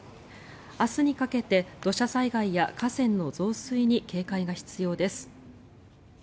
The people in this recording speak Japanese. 明日にかけて土砂災害や河川の増水に警戒が必要です。